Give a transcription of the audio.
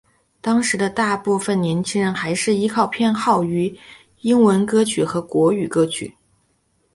当时的大部份年轻人还是依旧偏好于英文歌曲和国语歌曲。